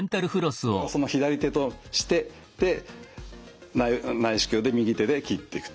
これをその左手として内視鏡で右手で切っていくと。